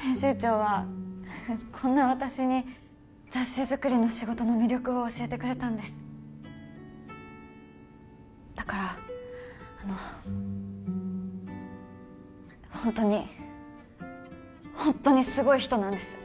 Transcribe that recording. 編集長はこんな私に雑誌作りの仕事の魅力を教えてくれたんですだからあのホントにホンットにすごい人なんです